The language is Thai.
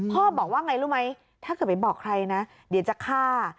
บอกว่าไงรู้ไหมถ้าเกิดไปบอกใครนะเดี๋ยวจะฆ่า